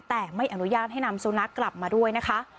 แต่ไม่อนุญาตให้นำสุนัขกลับมาด้วยนะคะ